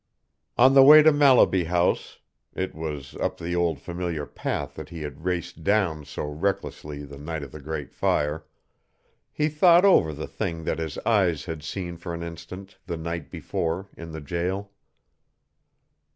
On the way to Mallaby House (it was up the old familiar path that he had raced down so recklessly the night of the great fire), he thought over the thing that his eyes had seen for an instant the night before in the jail.